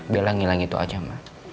bella ngilang itu aja ma